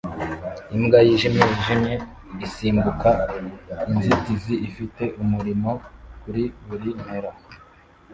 Imbwa yijimye yijimye isimbuka inzitizi ifite umuriro kuri buri mpera